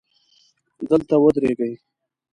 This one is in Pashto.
دلته ودرېږئ